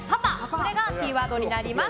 これがキーワードになります。